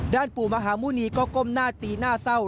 ปู่มหาหมุณีก็ก้มหน้าตีหน้าเศร้า